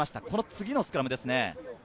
次のスクラムですね。